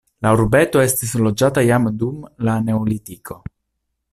La urbeto estis loĝata jam dum la neolitiko.